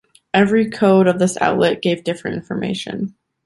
Every code of this outlet gave different information.